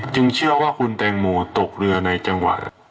เชื่อว่าคุณแตงโมตกเรือในจังหวะ